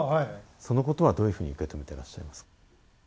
そのことはどういうふうに受け止めてらっしゃいますか？